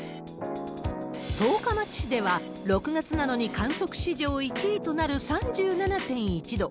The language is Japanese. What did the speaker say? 十日町市では、６月なのに観測史上１位となる３７．１度。